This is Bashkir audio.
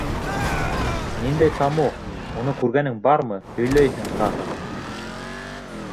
— Ниндәй тамуҡ, уны күргәнең бармы, һөйләйһең тағы.